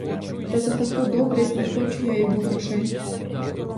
Та за таку добрість не хочу я його грошей!